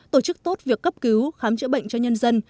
tổ chức tốt việc cấp cứu khám chữa bệnh cho nhân dân